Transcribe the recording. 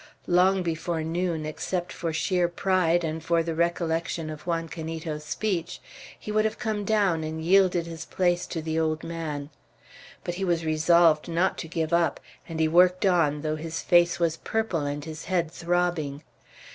Long before noon, except for sheer pride, and for the recollection of Juan Canito's speech, he would have come down and yielded his place to the old man. But he was resolved not to give up, and he worked on, though his face was purple and his head throbbing.